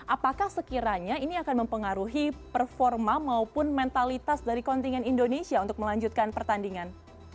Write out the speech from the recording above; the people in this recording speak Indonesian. apakah sekiranya ini akan mempengaruhi performa maupun mentalitas dari kontingen indonesia untuk melanjutkan pertandingan